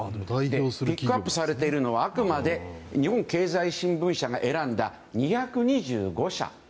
ピックアップされているのはあくまで日本経済新聞社が選んだ２２５社。